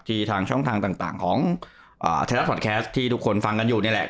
ที่ทางช่องทางต่างต่างของอ่าพอดแคสท์ที่ทุกคนฟังกันอยู่นี่แหละ